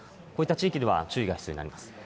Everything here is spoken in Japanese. こういった地域では注意が必要になります。